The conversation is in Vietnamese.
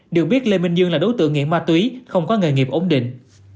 được biết lê minh dương là đối tượng nghiện ma túy không có nghề nghiệp ổn định